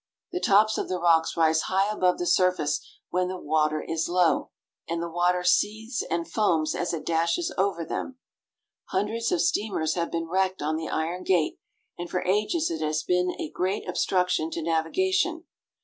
The tops of the rocks rise high above the surface when the river is low, and the water seethes and foams as it dashes over them. Hundreds of steamers have been wrecked on the Iron Gate, and for ages it has been a great obstruction to navigation.